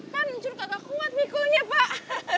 kan curta tak kuat mikulnya pak